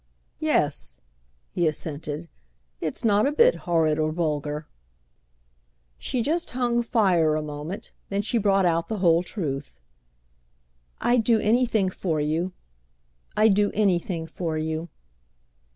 "Yes," he assented, "it's not a bit horrid or vulgar." She just hung fire a moment, then she brought out the whole truth. "I'd do anything for you. I'd do anything for you."